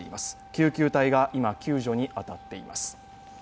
救急隊が今、救助に当たっています。